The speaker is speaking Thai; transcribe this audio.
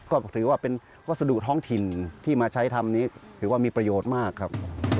ก็ถือว่าเป็นวัสดุท้องถิ่นที่มาใช้ทำนี้ถือว่ามีประโยชน์มากครับ